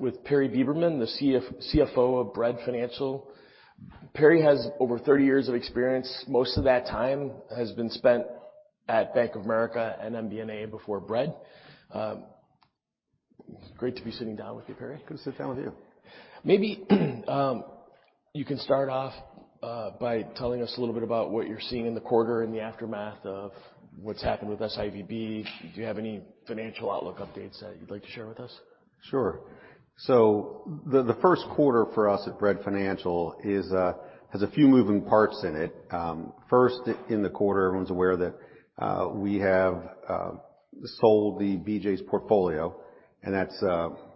With Perry Beberman, the CFO of Bread Financial. Perry has over 30 years of experience. Most of that time has been spent at Bank of America and MBNA before Bread. Great to be sitting down with you, Perry. Good to sit down with you. Maybe, you can start off by telling us a little bit about what you're seeing in the quarter in the aftermath of what's happened with SVB. Do you have any financial outlook updates that you'd like to share with us? Sure. The first quarter for us at Bread Financial has a few moving parts in it. First, in the quarter, everyone's aware that we have sold the BJ's portfolio, and that's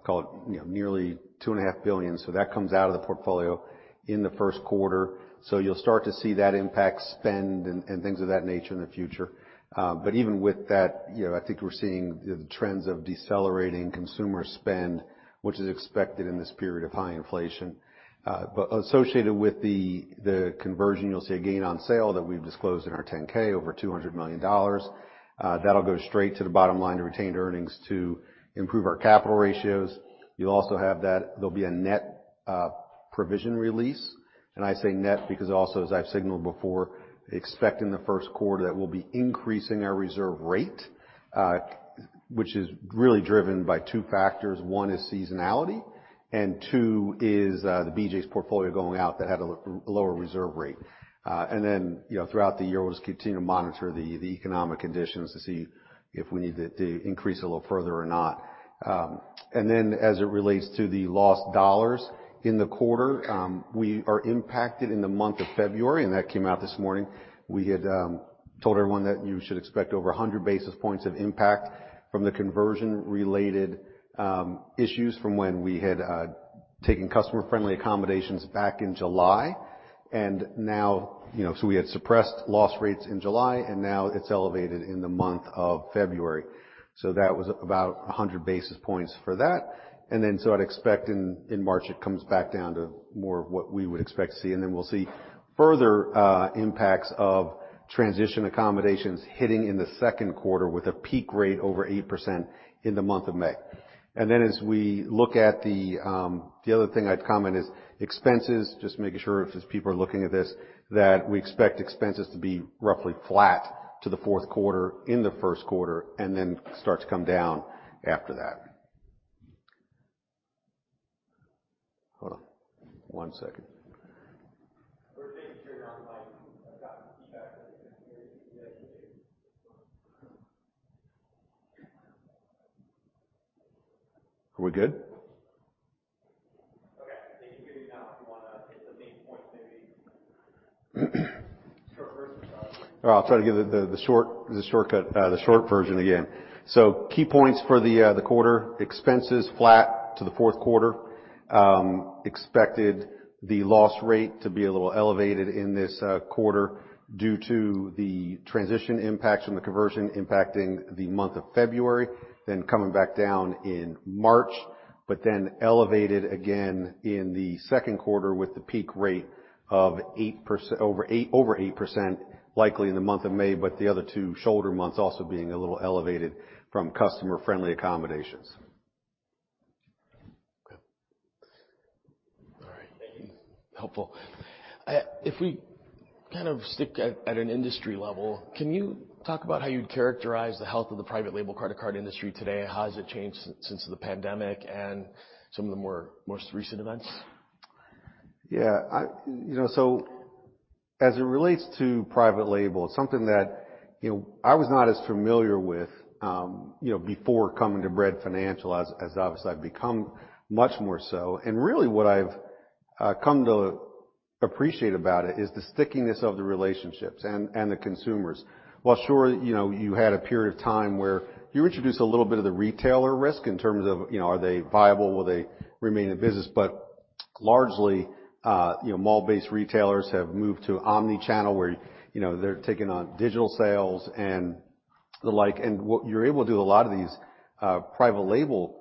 called, you know, nearly $2.5 billion. That comes out of the portfolio in the first quarter. You'll start to see that impact spend and things of that nature in the future. Even with that, you know, I think we're seeing the trends of decelerating consumer spend, which is expected in this period of high inflation. Associated with the conversion, you'll see a gain on sale that we've disclosed in our 10-K, over $200 million. That'll go straight to the bottom line to retained earnings to improve our capital ratios. You'll also have that there'll be a net provision release. I say net because also as I've signaled before, expect in the first quarter that we'll be increasing our reserve rate, which is really driven by two factors. One is seasonality, and two is the BJ's portfolio going out that had a lower reserve rate. Then, you know, throughout the year, we'll just continue to monitor the economic conditions to see if we need to increase a little further or not. Then as it relates to the lost dollars in the quarter, we are impacted in the month of February, and that came out this morning. We had told everyone that you should expect over 100 basis points of impact from the conversion-related issues from when we had taken customer-friendly accommodations back in July. Now, you know, so we had suppressed loss rates in July, and now it's elevated in the month of February. That was about 100 basis points for that. Then, so I'd expect in March, it comes back down to more of what we would expect to see. Then we'll see further impacts of transition accommodations hitting in the second quarter with a peak rate over 8% in the month of May. Then as we look at the other thing I'd comment is expenses, just making sure if people are looking at this, that we expect expenses to be roughly flat to the fourth quarter in the first quarter, and then start to come down after that. Hold on, one second. Are we good? I'll try to give the short, the shortcut, the short version again. Key points for the quarter, expenses flat to the fourth quarter. Expected the loss rate to be a little elevated in this quarter due to the transition impacts from the conversion impacting the month of February, coming back down in March, elevated again in the second quarter with the peak rate of over 8% likely in the month of May, but the other two shoulder months also being a little elevated from customer friendly accommodations. Okay. All right. Helpful. If we kind of stick at an industry level, can you talk about how you'd characterize the health of the private label card to card industry today? How has it changed since the pandemic and some of the more, most recent events? Yeah. I, you know, as it relates to private label, it's something that, you know, I was not as familiar with, you know, before coming to Bread Financial as obviously I've become much more so. Really what I've come to appreciate about it is the stickiness of the relationships and the consumers. While sure, you know, you had a period of time where you introduce a little bit of the retailer risk in terms of, you know, are they viable, will they remain in business? Largely, you know, mall-based retailers have moved to omni-channel where, you know, they're taking on digital sales and the like. What you're able to do a lot of these private label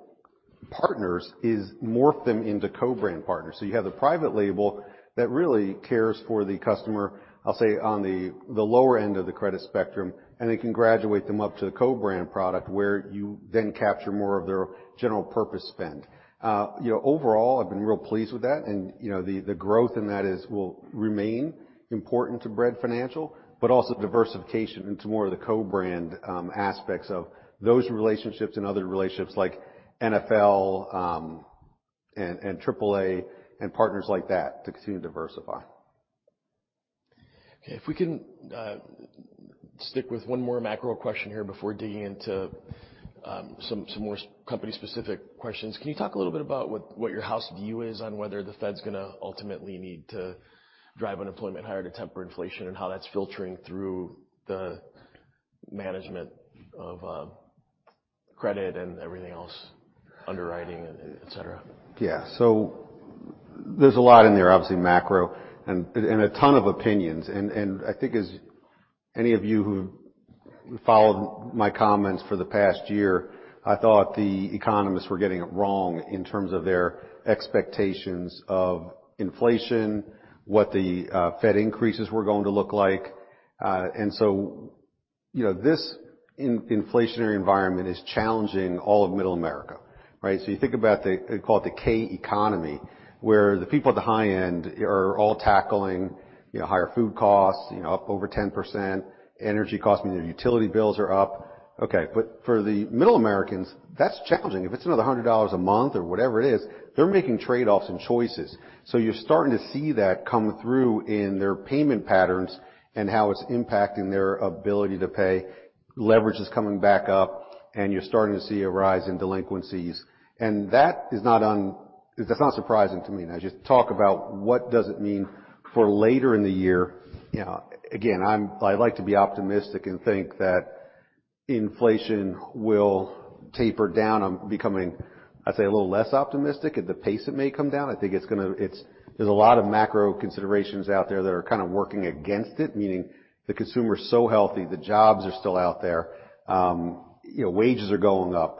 partners is morph them into co-brand partners. You have the private label that really cares for the customer, I'll say, on the lower end of the credit spectrum, and they can graduate them up to the co-brand product where you then capture more of their general purpose spend. You know, overall, I've been real pleased with that. You know, the growth in that is, will remain important to Bread Financial, but also diversification into more of the co-brand aspects of those relationships and other relationships like NFL, and AAA and partners like that to continue to diversify. Okay. If we can stick with one more macro question here before digging into some more company specific questions. Can you talk a little bit about what your house view is on whether the Fed's gonna ultimately need to drive unemployment higher to temper inflation and how that's filtering through the management of credit and everything else, underwriting, et cetera? Yeah. There's a lot in there, obviously, macro and a ton of opinions. And I think as any of you who followed my comments for the past year, I thought the economists were getting it wrong in terms of their expectations of inflation, what the Fed increases were going to look like. You know, this inflationary environment is challenging all of Middle America, right? You think about the, they call it the K-shaped economy, where the people at the high end are all tackling, you know, higher food costs, you know, up over 10%, energy costs, meaning their utility bills are up. Okay. For the middle Americans, that's challenging. If it's another $100 a month or whatever it is, they're making trade-offs and choices. You're starting to see that come through in their payment patterns and how it's impacting their ability to pay. Leverage is coming back up, and you're starting to see a rise in delinquencies. That is not surprising to me. Just talk about what does it mean for later in the year. You know, again, I like to be optimistic and think that inflation will taper down. I'm becoming, I'd say, a little less optimistic at the pace it may come down. I think it's gonna... There's a lot of macro considerations out there that are kinda working against it, meaning the consumer is so healthy, the jobs are still out there, you know, wages are going up.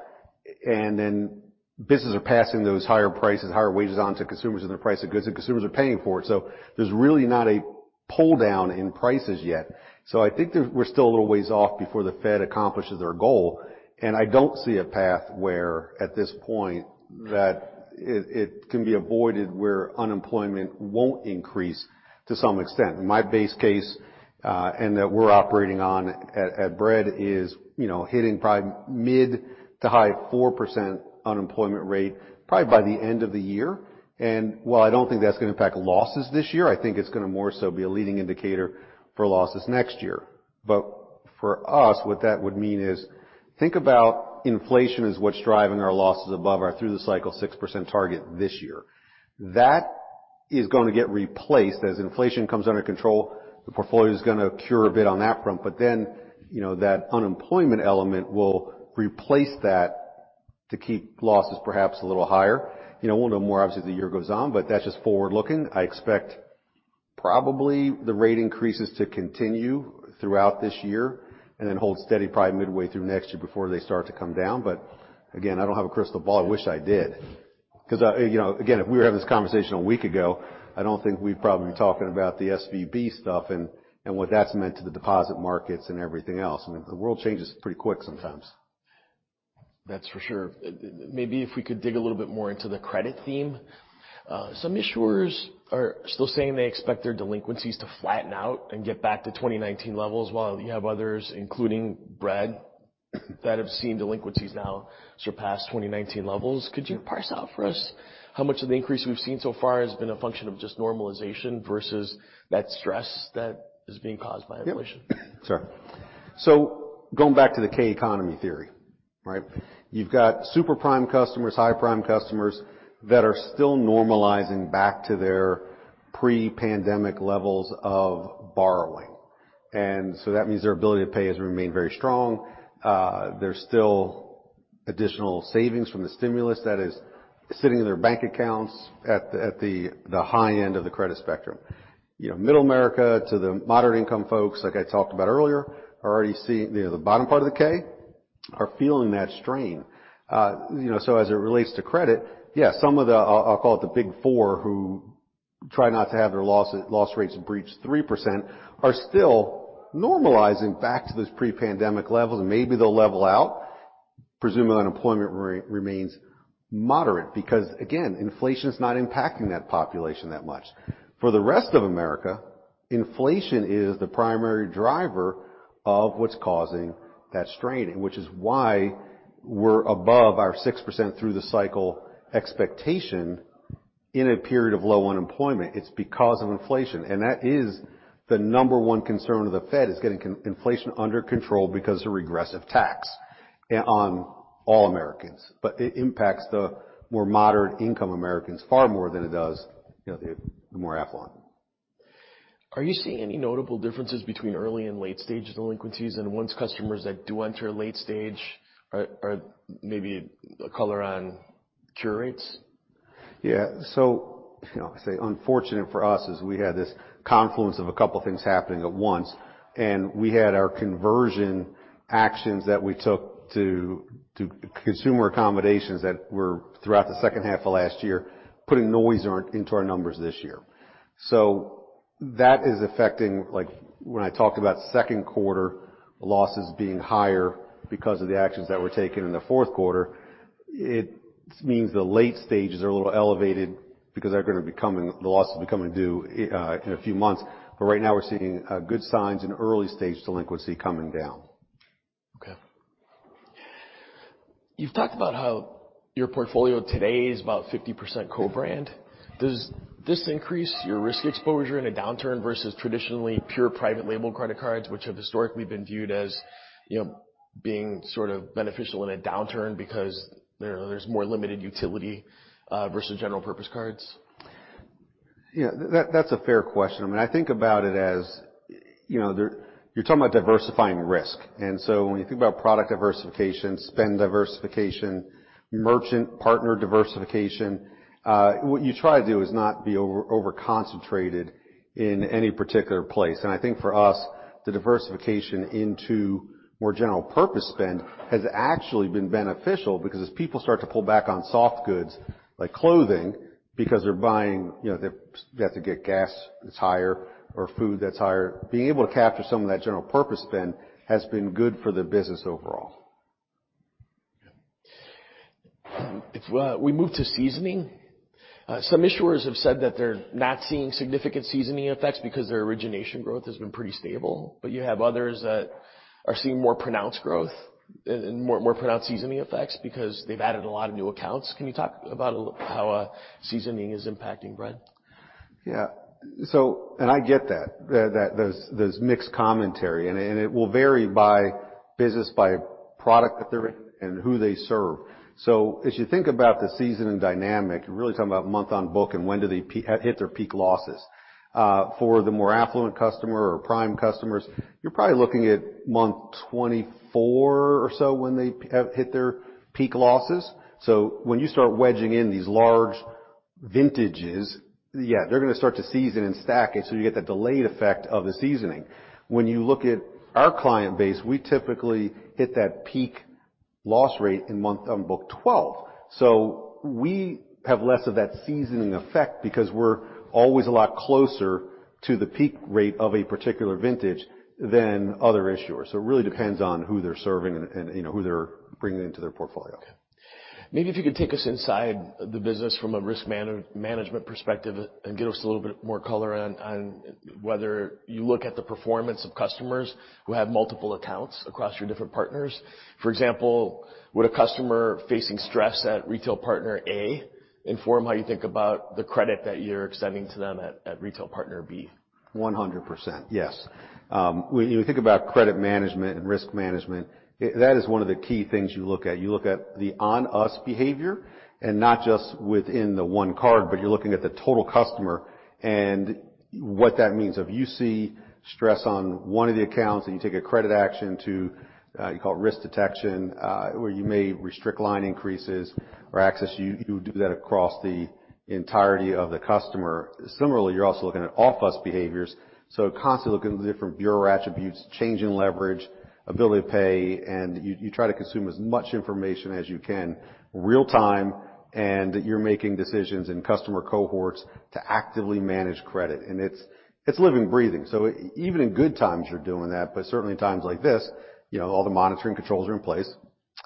Then businesses are passing those higher prices, higher wages on to consumers and their price of goods, and consumers are paying for it. There's really not a pull-down in prices yet. I think we're still a little ways off before the Fed accomplishes their goal. I don't see a path where at this point that it can be avoided where unemployment won't increase to some extent. My base case, and that we're operating on at Bread is, you know, hitting probably mid to high 4% unemployment rate probably by the end of the year. While I don't think that's gonna impact losses this year, I think it's gonna more so be a leading indicator for losses next year. For us, what that would mean is think about inflation as what's driving our losses above or through the cycle 6% target this year. That is gonna get replaced. As inflation comes under control, the portfolio's gonna cure a bit on that front, but then, you know, that unemployment element will replace that to keep losses perhaps a little higher. You know, we'll know more obviously as the year goes on, but that's just forward-looking. I expect probably the rate increases to continue throughout this year and then hold steady probably midway through next year before they start to come down. Again, I don't have a crystal ball. I wish I did. You know, again, if we were having this conversation a week ago, I don't think we'd probably be talking about the SVB stuff and what that's meant to the deposit markets and everything else. I mean, the world changes pretty quick sometimes. That's for sure. Maybe if we could dig a little bit more into the credit theme. Some issuers are still saying they expect their delinquencies to flatten out and get back to 2019 levels while you have others, including Bread, that have seen delinquencies now surpass 2019 levels. Could you parse out for us how much of the increase we've seen so far has been a function of just normalization versus that stress that is being caused by inflation? Yeah. Sure. Going back to the K-shaped economy theory, right? You've got super prime customers, high prime customers that are still normalizing back to their pre-pandemic levels of borrowing. That means their ability to pay has remained very strong. There's still additional savings from the stimulus that is sitting in their bank accounts at the high end of the credit spectrum. You know, middle America to the moderate-income folks like I talked about earlier are already seeing, you know, the bottom part of the K are feeling that strain. You know, as it relates to credit, yes, some of the, I'll call it the Big Four who try not to have their loss rates breach 3% are still normalizing back to those pre-pandemic levels, and maybe they'll level out, presuming unemployment remains moderate. Again, inflation's not impacting that population that much. For the rest of America, inflation is the primary driver of what's causing that strain, which is why we're above our 6% through the cycle expectation in a period of low unemployment. It's because of inflation. That is the number one concern of the Fed, is getting inflation under control because of regressive tax on all Americans. It impacts the more moderate-income Americans far more than it does, you know, the more affluent. Are you seeing any notable differences between early and late-stage delinquencies? Once customers that do enter late stage are maybe a color on cure rates? You know, I say unfortunate for us is we had this confluence of a couple things happening at once, and we had our conversion actions that we took to consumer accommodations that were throughout the second half of last year, putting noise into our numbers this year. That is affecting, like when I talk about second quarter losses being higher because of the actions that were taken in the fourth quarter, it means the late stages are a little elevated because they're gonna be coming, the losses are becoming due in a few months. Right now we're seeing good signs in early-stage delinquency coming down. Okay. You've talked about how your portfolio today is about 50% co-brand. Does this increase your risk exposure in a downturn versus traditionally pure private label credit cards, which have historically been viewed as, you know, being sort of beneficial in a downturn because there's more limited utility versus general purpose cards? That's a fair question. I mean, I think about it as, you know, you're talking about diversifying risk. When you think about product diversification, spend diversification, merchant partner diversification, what you try to do is not be over-concentrated in any particular place. I think for us, the diversification into more general purpose spend has actually been beneficial because as people start to pull back on soft goods like clothing, because they're buying, you know, they have to get gas that's higher or food that's higher. Being able to capture some of that general purpose spend has been good for the business overall. If we move to seasoning, some issuers have said that they're not seeing significant seasoning effects because their origination growth has been pretty stable. You have others that are seeing more pronounced growth and more pronounced seasoning effects because they've added a lot of new accounts. Can you talk about how seasoning is impacting Bread? Yeah. I get that there's mixed commentary, and it will vary by business, by product that they're in and who they serve. As you think about the season and dynamic, you're really talking about month on book and when do they hit their peak losses. For the more affluent customer or prime customers, you're probably looking at month 24 or so when they hit their peak losses. When you start wedging in these large vintages, yeah, they're gonna start to season and stack it so you get the delayed effect of the seasoning. When you look at our client base, we typically hit that peak loss rate in month on book 12. We have less of that seasoning effect because we're always a lot closer to the peak rate of a particular vintage than other issuers. It really depends on who they're serving and you know, who they're bringing into their portfolio. Maybe if you could take us inside the business from a risk management perspective and give us a little bit more color on whether you look at the performance of customers who have multiple accounts across your different partners. For example, would a customer facing stress at retail partner A inform how you think about the credit that you're extending to them at retail partner B? 100%, yes. When you think about credit management and risk management, that is one of the key things you look at. You look at the on-us behavior and not just within the one card, but you're looking at the total customer and what that means. If you see stress on one of the accounts, and you take a credit action to, you call it risk detection, where you may restrict line increases or access, you do that across the entirety of the customer. Similarly, you're also looking at off-us behaviors, so constantly looking at the different bureau attributes, change in leverage, ability to pay, and you try to consume as much information as you can real-time, and you're making decisions in customer cohorts to actively manage credit. It's living, breathing. Even in good times, you're doing that. Certainly in times like this, you know, all the monitoring controls are in place.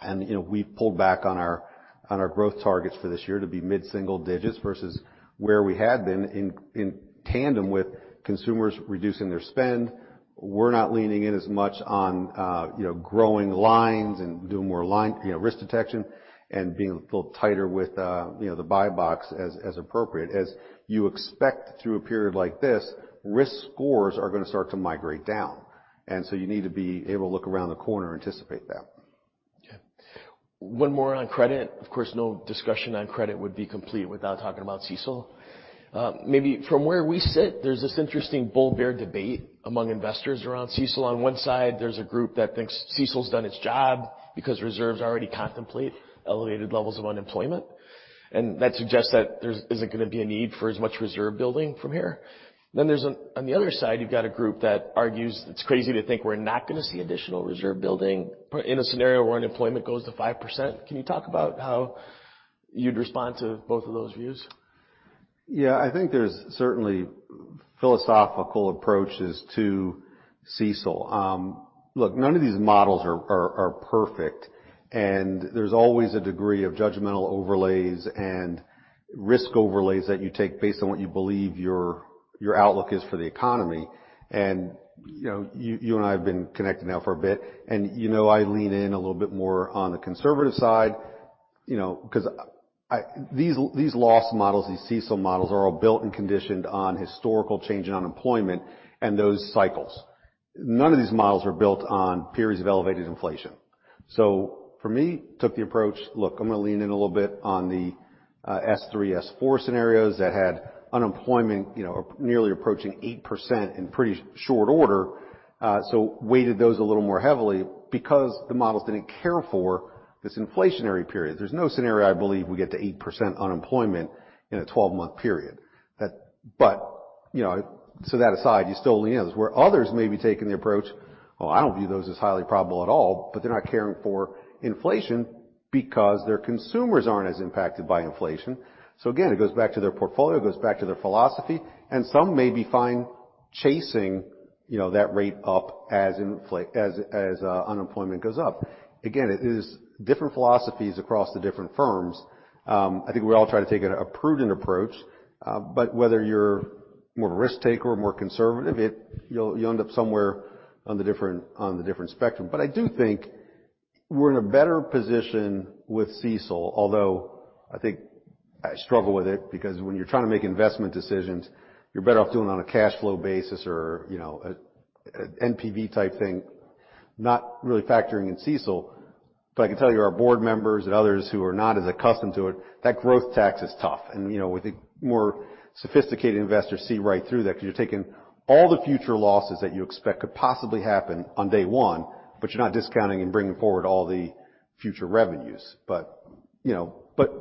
You know, we've pulled back on our, on our growth targets for this year to be mid-single digits versus where we had been in tandem with consumers reducing their spend. We're not leaning in as much on, you know, growing lines and doing more line, you know, risk detection and being a little tighter with, you know, the buy box as appropriate. As you expect through a period like this, risk scores are going to start to migrate down. You need to be able to look around the corner and anticipate that. Okay. One more on credit. Of course, no discussion on credit would be complete without talking about CECL. maybe from where we sit, there's this interesting bull-bear debate among investors around CECL. On one side, there's a group that thinks CECL's done its job because reserves already contemplate elevated levels of unemployment. That suggests that there isn't gonna be a need for as much reserve building from here. On the other side, you've got a group that argues it's crazy to think we're not gonna see additional reserve building in a scenario where unemployment goes to 5%. Can you talk about how you'd respond to both of those views? I think there's certainly philosophical approaches to CECL. Look, none of these models are perfect, and there's always a degree of judgmental overlays and risk overlays that you take based on what you believe your outlook is for the economy. You know, you and I have been connecting now for a bit, and you know I lean in a little bit more on the conservative side, you know, 'cause these loss models, these CECL models are all built and conditioned on historical change in unemployment and those cycles. None of these models are built on periods of elevated inflation. For me, took the approach, look, I'm gonna lean in a little bit on the S3, S4 scenarios that had unemployment, you know, nearly approaching 8% in pretty short order. Weighted those a little more heavily because the models didn't care for this inflationary period. There's no scenario, I believe, we get to 8% unemployment in a 12-month period. You know, that aside, you still lean in. Where others may be taking the approach, "Oh, I don't view those as highly probable at all," but they're not caring for inflation because their consumers aren't as impacted by inflation. Again, it goes back to their portfolio, it goes back to their philosophy, and some may be fine chasing, you know, that rate up as unemployment goes up. Again, it is different philosophies across the different firms. I think we all try to take a prudent approach. Whether you're more a risk-taker or more conservative, you'll, you end up somewhere on the different spectrum. I do think we're in a better position with CECL, although I think I struggle with it because when you're trying to make investment decisions, you're better off doing it on a cash flow basis or, you know, an NPV type thing, not really factoring in CECL. I can tell you, our board members and others who are not as accustomed to it, that growth tax is tough. You know, we think more sophisticated investors see right through that 'cause you're taking all the future losses that you expect could possibly happen on day one, but you're not discounting and bringing forward all the future revenues. You know,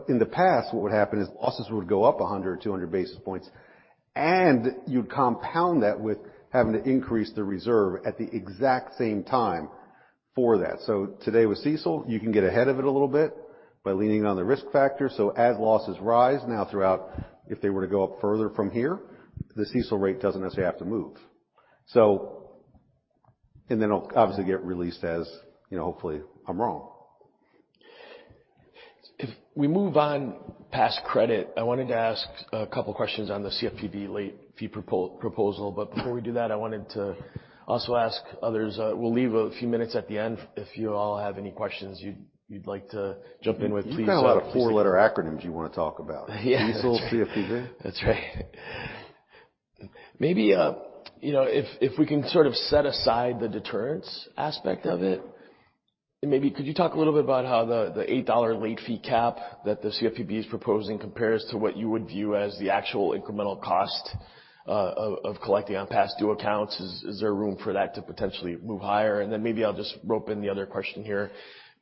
in the past, what would happen is losses would go up 100 or 200 basis points. You compound that with having to increase the reserve at the exact same time for that. Today with CECL, you can get ahead of it a little bit by leaning on the risk factor. As losses rise now throughout, if they were to go up further from here, the CECL rate doesn't necessarily have to move. Then it'll obviously get released as, you know, hopefully, I'm wrong. If we move on past credit, I wanted to ask a couple questions on the CFPB late fee proposal. Before we do that, I wanted to also ask others, we'll leave a few minutes at the end if you all have any questions you'd like to jump in with please. You got a lot of four-letter acronyms you wanna talk about. CECL, CFPB. That's right. Maybe, you know, if we can sort of set aside the deterrence aspect of it, and maybe could you talk a little bit about how the $8 late fee cap that the CFPB is proposing compares to what you would view as the actual incremental cost of collecting on past due accounts? Is there room for that to potentially move higher? Then maybe I'll just rope in the other question here.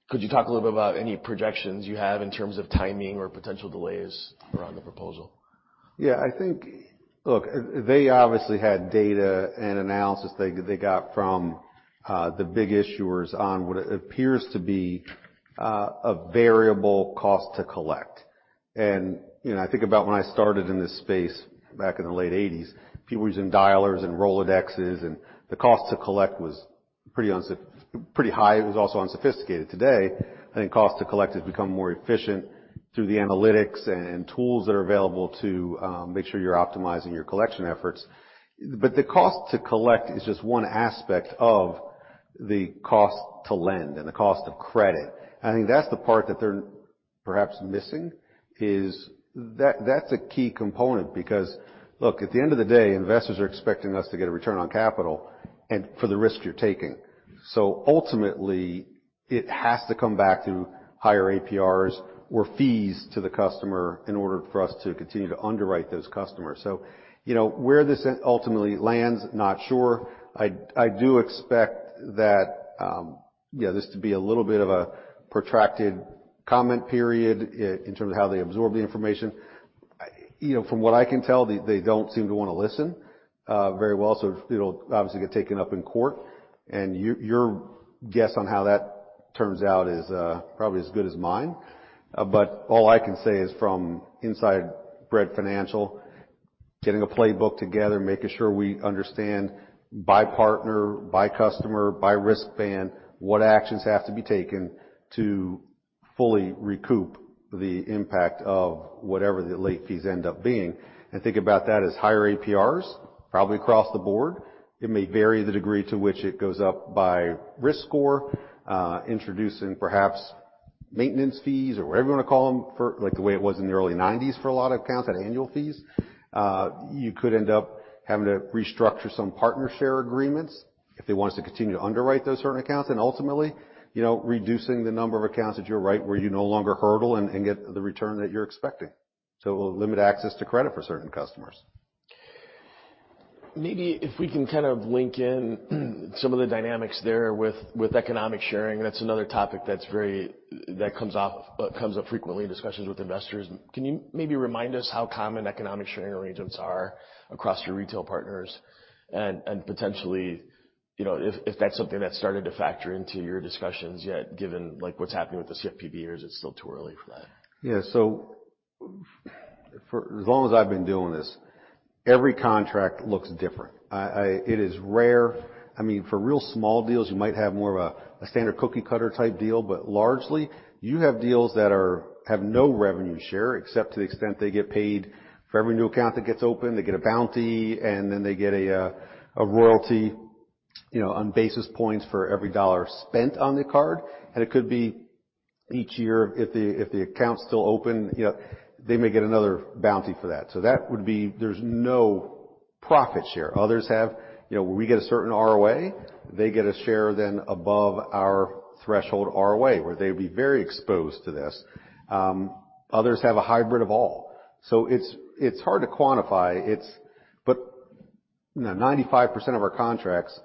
Could you talk a little bit about any projections you have in terms of timing or potential delays around the proposal? Yeah, I think... Look, they obviously had data and analysis they got from the big issuers on what appears to be a variable cost to collect. You know, I think about when I started in this space back in the late 80s, people using dialers and Rolodexes, and the cost to collect was pretty high. It was also unsophisticated. Today, I think cost to collect has become more efficient through the analytics and tools that are available to make sure you're optimizing your collection efforts. The cost to collect is just one aspect of the cost to lend and the cost of credit. I think that's the part that they're perhaps missing, is that's a key component. Look, at the end of the day, investors are expecting us to get a return on capital and for the risk you're taking. Ultimately, it has to come back through higher APRs or fees to the customer in order for us to continue to underwrite those customers. You know, where this ultimately lands, not sure. I do expect that this to be a little bit of a protracted comment period in terms of how they absorb the information. You know, from what I can tell, they don't seem to wanna listen very well, so it'll obviously get taken up in court. Your guess on how that turns out is probably as good as mine. All I can say is from inside Bread Financial, getting a playbook together, making sure we understand by partner, by customer, by risk band, what actions have to be taken to fully recoup the impact of whatever the late fees end up being. I think about that as higher APRs, probably across the board. It may vary the degree to which it goes up by risk score, introducing perhaps maintenance fees or whatever you want to call them for like the way it was in the early '90s for a lot of accounts, had annual fees. You could end up having to restructure some partner share agreements if they want us to continue to underwrite those certain accounts and ultimately, you know, reducing the number of accounts that you underwrite, where you no longer hurdle and get the return that you're expecting. It will limit access to credit for certain customers. Maybe if we can kind of link in some of the dynamics there with economic sharing, that comes up frequently in discussions with investors. Can you maybe remind us how common economic sharing arrangements are across your retail partners? Potentially, you know, if that's something that's started to factor into your discussions yet, given like what's happening with the CFPB, or is it still too early for that? Yeah. For as long as I've been doing this, every contract looks different. It is rare. I mean, for real small deals, you might have more of a standard cookie cutter type deal, but largely, you have deals that have no revenue share, except to the extent they get paid for every new account that gets opened, they get a bounty, and then they get a royalty, you know, on basis points for every dollar spent on the card. It could be each year if the, if the account's still open, you know, they may get another bounty for that. That would be there's no profit share. Others have, you know, we get a certain ROA, they get a share then above our threshold ROA, where they would be very exposed to this. Others have a hybrid of all. It's hard to quantify. You know, 95% of our contracts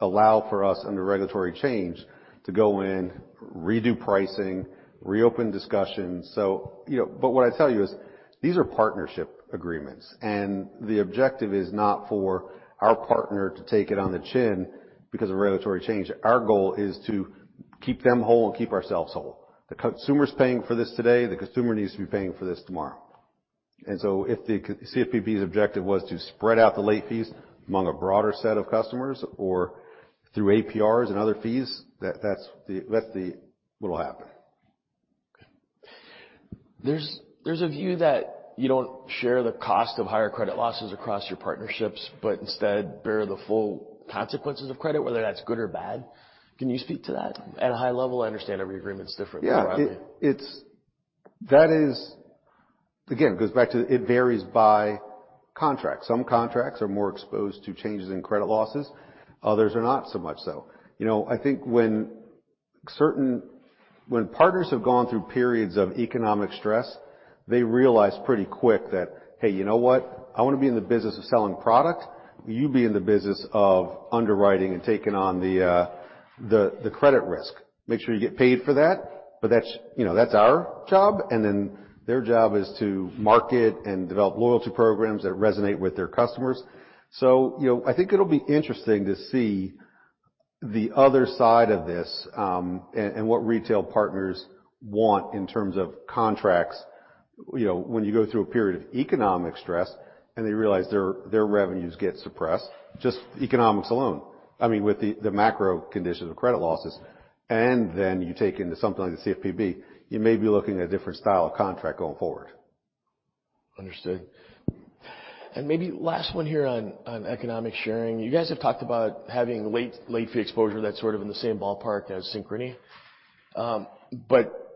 allow for us under regulatory change to go in, redo pricing, reopen discussions. You know, what I tell you is these are partnership agreements, and the objective is not for our partner to take it on the chin because of regulatory change. Our goal is to keep them whole and keep ourselves whole. The consumer's paying for this today, the consumer needs to be paying for this tomorrow. If the CFPB's objective was to spread out the late fees among a broader set of customers or through APRs and other fees, that's the what will happen There's a view that you don't share the cost of higher credit losses across your partnerships, but instead bear the full consequences of credit, whether that's good or bad. Can you speak to that? At a high level, I understand every agreement's different broadly. Yeah. That is. It goes back to it varies by contract. Some contracts are more exposed to changes in credit losses, others are not so much so. You know, I think when partners have gone through periods of economic stress, they realize pretty quick that, Hey, you know what? I wanna be in the business of selling product. You be in the business of underwriting and taking on the credit risk. Make sure you get paid for that, but that's, you know, that's our job, and then their job is to market and develop loyalty programs that resonate with their customers. You know, I think it'll be interesting to see the other side of this, and what retail partners want in terms of contracts. You know, when you go through a period of economic stress, and they realize their revenues get suppressed, just economics alone. I mean, with the macro conditions of credit losses, and then you take into something like the CFPB, you may be looking at a different style of contract going forward. Understood. Maybe last one here on economic sharing. You guys have talked about having late fee exposure that's sort of in the same ballpark as Synchrony.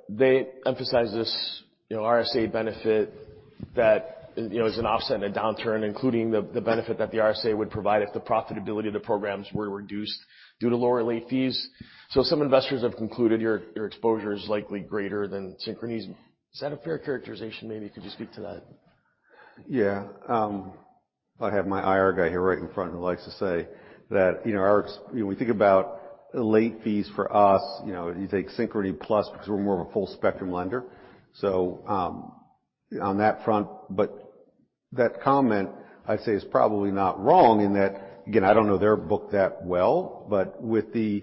They emphasize this, you know, RSA benefit that, you know, as an offset in a downturn, including the benefit that the RSA would provide if the profitability of the programs were reduced due to lower late fees. Some investors have concluded your exposure is likely greater than Synchrony's. Is that a fair characterization? Maybe could you speak to that? I have my IR guy here right in front who likes to say that, you know, our you know, we think about late fees for us, you know, you take Synchrony plus because we're more of a full spectrum lender. On that front, that comment I'd say is probably not wrong in that, again, I don't know their book that well, but with the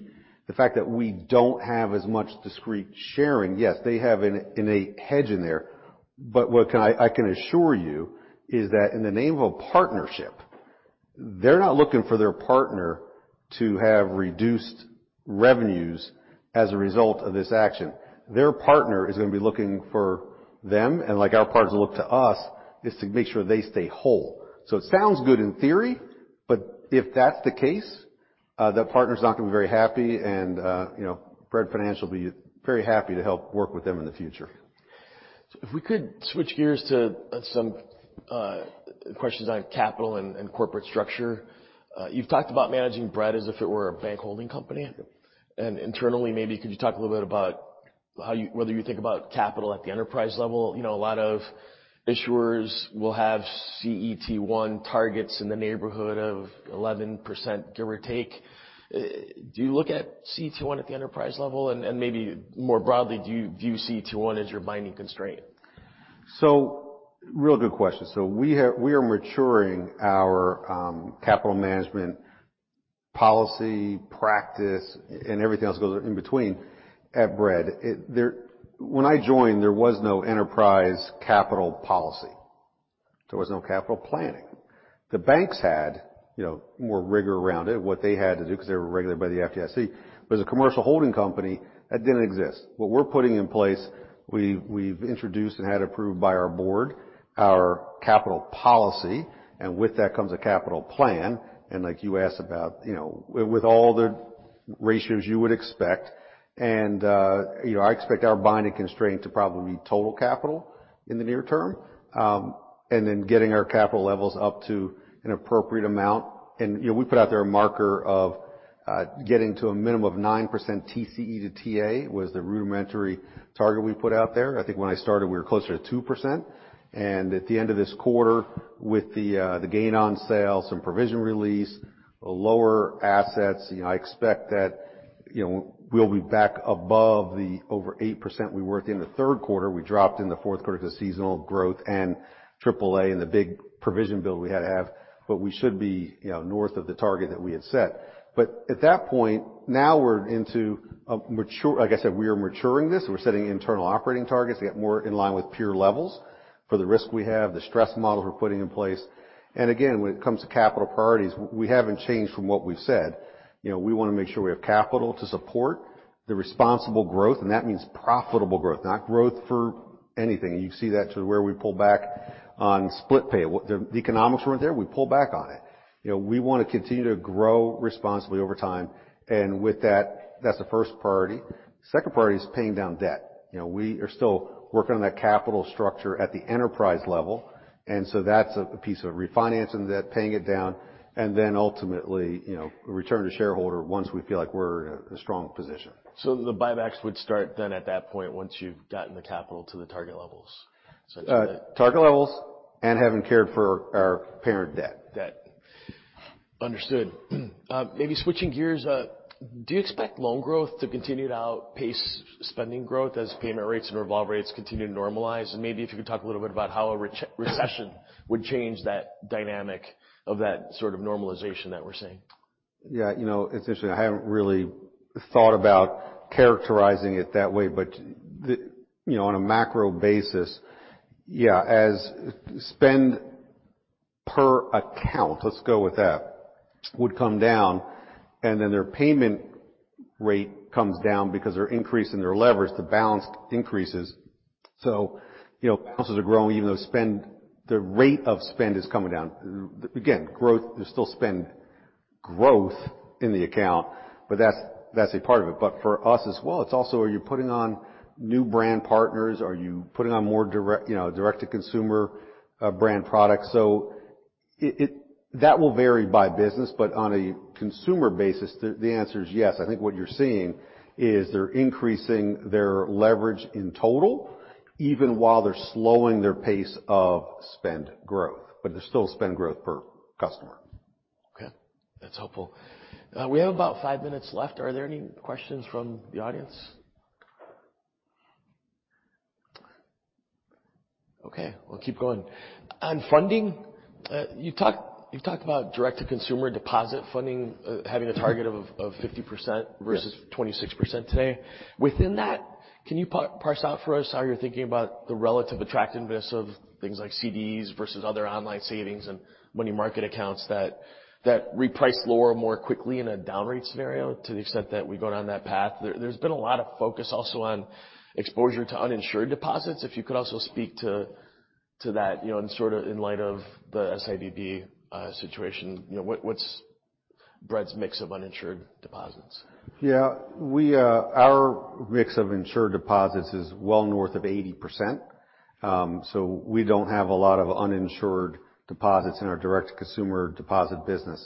fact that we don't have as much discrete sharing, yes, they have an innate hedge in there. What I can assure you is that in the name of a partnership, they're not looking for their partner to have reduced revenues as a result of this action. Their partner is gonna be looking for them, and like our partners look to us, is to make sure they stay whole. It sounds good in theory, but if that's the case, the partner's not gonna be very happy, and, you know, Bread Financial will be very happy to help work with them in the future. We could switch gears to some questions on capital and corporate structure. You've talked about managing Bread as if it were a bank holding company. Internally, maybe could you talk a little bit about how you whether you think about capital at the enterprise level? You know, a lot of issuers will have CET1 targets in the neighborhood of 11%, give or take. Do you look at CET1 at the enterprise level? Maybe more broadly, do you view CET1 as your binding constraint? Real good question. We are maturing our capital management policy practice and everything else goes in between at Bread. When I joined, there was no enterprise capital policy. There was no capital planning. The banks had, you know, more rigor around it, what they had to do because they were regulated by the FDIC. As a commercial holding company, that didn't exist. What we're putting in place, we've introduced and had approved by our board our capital policy, and with that comes a capital plan. Like you asked about, you know, with all the ratios you would expect. You know, I expect our binding constraint to probably be total capital in the near term. Getting our capital levels up to an appropriate amount. You know, we put out there a marker of getting to a minimum of 9% TCE to TA was the rudimentary target we put out there. I think when I started, we were closer to 2%. At the end of this quarter, with the gain on sale, some provision release, lower assets, you know, I expect that, you know, we'll be back above the over 8% we were at the end of the third quarter. We dropped in the fourth quarter to seasonal growth and AAA and the big provision build we had to have. We should be, you know, north of the target that we had set. At that point, Like I said, we are maturing this. We're setting internal operating targets to get more in line with peer levels for the risk we have, the stress models we're putting in place. Again, when it comes to capital priorities, we haven't changed from what we've said. You know, we wanna make sure we have capital to support the responsible growth. That means profitable growth, not growth for anything. You see that to where we pull back on SplitPay. The economics weren't there, we pull back on it. You know, we wanna continue to grow responsibly over time. With that's the first priority. Second priority is paying down debt. You know, we are still working on that capital structure at the enterprise level. That's a piece of refinancing debt, paying it down, and then ultimately, you know, return to shareholder once we feel like we're in a strong position. The buybacks would start then at that point once you've gotten the capital to the target levels, such as that? Target levels and having cared for our parent debt. Debt. Understood. Maybe switching gears, do you expect loan growth to continue to outpace spending growth as payment rates and revolve rates continue to normalize? Maybe if you could talk a little bit about how a recession would change that dynamic of that sort of normalization that we're seeing. Yeah. You know, essentially, I haven't really thought about characterizing it that way. On a macro basis, you know, yeah, as spend per account, let's go with that, would come down. Their payment rate comes down because they're increasing their leverage, the balance increases. Balances are growing even though the rate of spend is coming down. Again, there's still spend growth in the account, but that's a part of it. For us as well, it's also are you putting on new brand partners? Are you putting on more direct, you know, direct-to-consumer brand products? That will vary by business. On a consumer basis, the answer is yes. I think what you're seeing is they're increasing their leverage in total, even while they're slowing their pace of spend growth. There's still spend growth per customer. Okay. That's helpful. We have about five minutes left. Are there any questions from the audience? Okay. We'll keep going. On funding, you've talked about direct to consumer deposit funding, having a target of 50% versus 26% today. Within that, can you parse out for us how you're thinking about the relative attractiveness of things like CDs versus other online savings and money market accounts that reprice lower more quickly in a down rate scenario to the extent that we go down that path? There's been a lot of focus also on exposure to uninsured deposits. If you could also speak to that, you know, and sort of in light of the SVB situation. You know, what's Bread's mix of uninsured deposits? Yeah. We, our mix of insured deposits is well north of 80%. We don't have a lot of uninsured deposits in our direct consumer deposit business.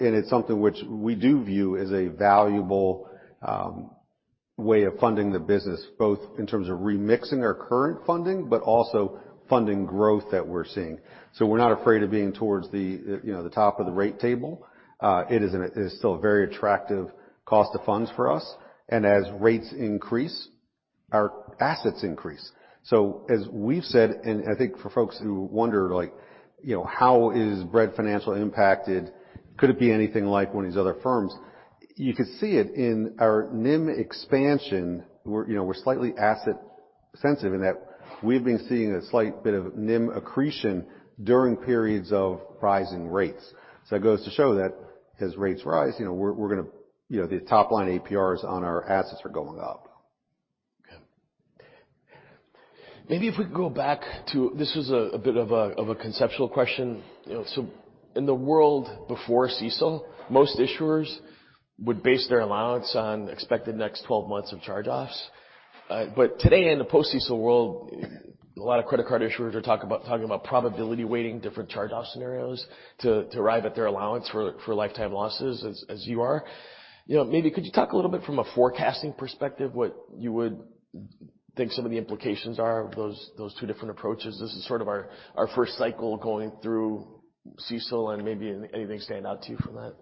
It's something which we do view as a valuable way of funding the business, both in terms of remixing our current funding, but also funding growth that we're seeing. We're not afraid of being towards the, you know, the top of the rate table. It is still a very attractive cost of funds for us. As rates increase, our assets increase. As we've said, and I think for folks who wonder like, you know, how is Bread Financial impacted? Could it be anything like one of these other firms? You could see it in our NIM expansion. We're, you know, we're slightly asset sensitive in that we've been seeing a slight bit of NIM accretion during periods of rising rates. It goes to show that as rates rise, you know, we're gonna, you know, the top line APRs on our assets are going up. Okay. This was a bit of a conceptual question. You know, in the world before CECL, most issuers would base their allowance on expected next 12 months of charge-offs. Today in the post-CECL world, a lot of credit card issuers are talking about probability weighting different charge-offs scenarios to arrive at their allowance for lifetime losses as you are. You know, maybe could you talk a little bit from a forecasting perspective, what you would think some of the implications are of those two different approaches? This is sort of our first cycle going through CECL and maybe anything stand out to you from that.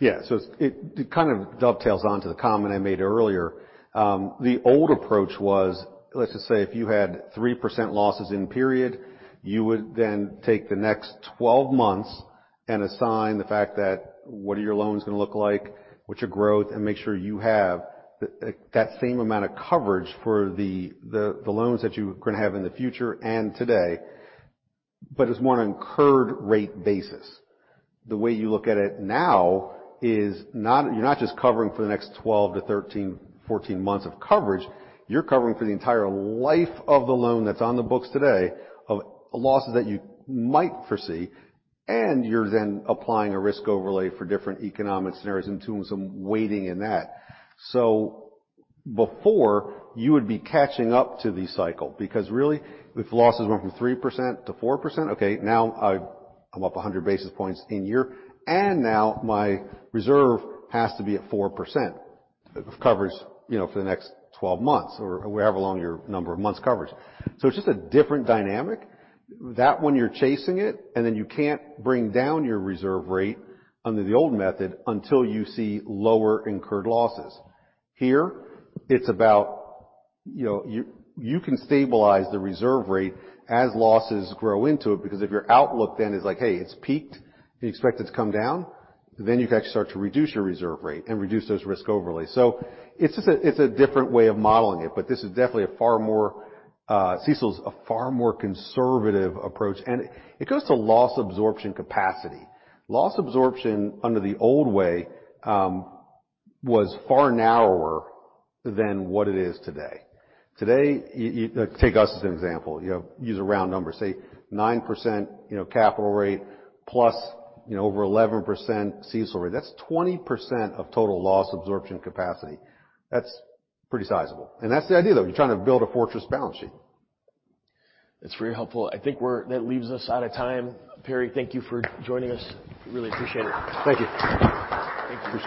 Yeah. It kind of dovetails onto the comment I made earlier. The old approach was, let's just say if you had 3% losses in period, you would then take the next 12 months and assign the fact that what are your loans gonna look like, what's your growth, and make sure you have that same amount of coverage for the loans that you are gonna have in the future and today, but it's more an incurred rate basis. The way you look at it now is you're not just covering for the next 12-13, 14 months of coverage. You're covering for the entire life of the loan that's on the books today of losses that you might foresee, and you're then applying a risk overlay for different economic scenarios and doing some weighting in that. Before, you would be catching up to the cycle because really, if losses went from 3%-4%, okay, now I'm up 100 basis points in year, and now my reserve has to be at 4% of coverage, you know, for the next 12 months or however long your number of months coverage. It's just a different dynamic. That one you're chasing it, and then you can't bring down your reserve rate under the old method until you see lower incurred losses. Here, it's about, you know, you can stabilize the reserve rate as losses grow into it because if your outlook then is like, "Hey, it's peaked," you expect it to come down, then you can actually start to reduce your reserve rate and reduce those risk overlay. it's just a, it's a different way of modeling it, but this is definitely a far more, CECL's a far more conservative approach. it goes to loss absorption capacity. Loss absorption under the old way, was far narrower than what it is today. Today, take us as an example. You use a round number, say 9%, you know, capital rate plus, you know, over 11% CECL rate. That's 20% of total loss absorption capacity. That's pretty sizable. That's the idea, though. You're trying to build a fortress balance sheet. That's very helpful. I think that leaves us out of time. Perry, thank you for joining us. Really appreciate it. Thank you.